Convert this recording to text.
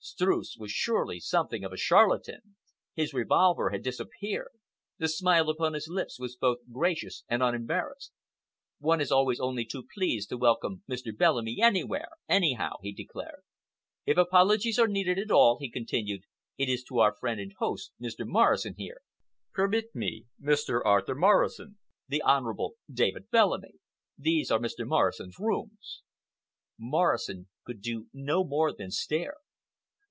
Streuss was surely something of a charlatan! His revolver had disappeared. The smile upon his lips was both gracious and unembarrassed. "One is always only too pleased to welcome Mr. Bellamy anywhere—anyhow," he declared. "If apologies are needed at all," he continued, "it is to our friend and host—Mr. Morrison here. Permit me—Mr. Arthur Morrison—the Honorable David Bellamy! These are Mr. Morrison's rooms." Morrison could do no more than stare.